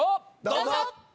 どうぞ！